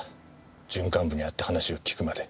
準幹部に会って話を聞くまで。